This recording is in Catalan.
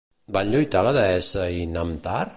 Van lluitar la deessa i Namtar?